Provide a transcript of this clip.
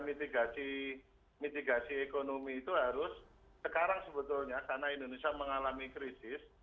mitigasi ekonomi itu harus sekarang sebetulnya karena indonesia mengalami krisis